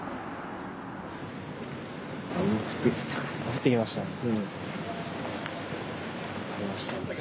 降ってきましたね。